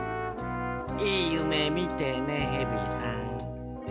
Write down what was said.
いいゆめみてねヘビさん。